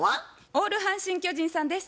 オール阪神・巨人さんです。